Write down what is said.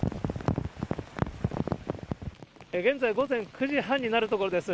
現在、午前９時半になるところです。